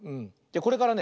これからね